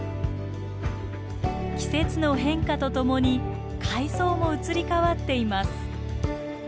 季節の変化とともに海藻も移り変わっています。